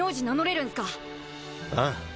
ああ。